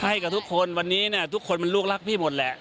ให้กับทุกคนวันนี้ทุกคนมันลูกลักษณ์พี่หมดแหละ